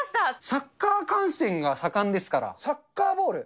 サッカー観戦が盛んですから、サッカーボール。